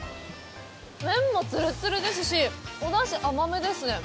麺もつるつるですしお出汁、甘めですね。